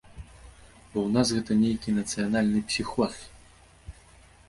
Бо ў нас гэта нейкі нацыянальны псіхоз!